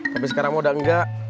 tapi sekarang udah enggak